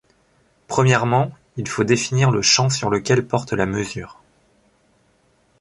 Premièrement, il faut définir le champ sur lequel porte la mesure.